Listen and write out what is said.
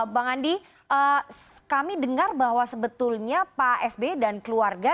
bang andi kami dengar bahwa sebetulnya pak sby dan keluarga